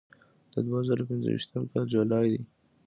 د دوه زره پنځه ویشتم کال جولای ده.